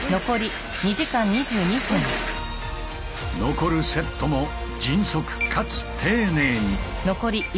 残るセットも迅速かつ丁寧に。